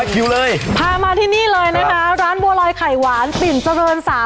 ฮือพามาที่นี้เลยร้านบัวรอยไข่หวานปิ่นเจริญ๓ค่ะ